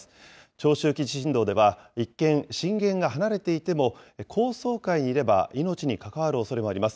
長周期地震動では一見、震源が離れていても、高層階にいれば命に関わるおそれもあります。